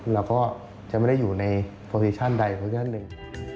เราก็จะไม่ได้อยู่ในโปรดิชั่นใดโปรชั่นหนึ่ง